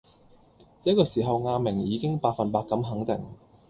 這個時候阿明已經百份百咁肯定